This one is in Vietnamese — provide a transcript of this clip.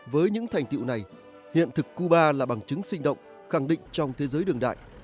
với những thành tiệu này hiện thực cuba là bằng chứng sinh động khẳng định trong thế giới đường đại